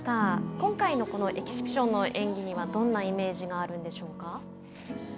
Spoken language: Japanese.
今回のこのエキシビションの演技にはどんなイメージがあるんでしょうか。